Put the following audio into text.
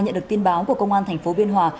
nhận được tin báo của công an tp biên hòa